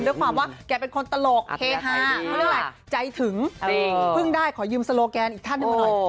ด้วยความว่าแกเป็นคนตลกเฮฮาเขาเรียกอะไรใจถึงเพิ่งได้ขอยืมโลแกนอีกท่านหนึ่งมาหน่อย